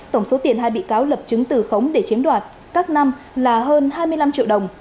tổng số tiền hai bị cáo lập chứng từ khống để chiếm đoạt các năm là hơn hai mươi năm triệu đồng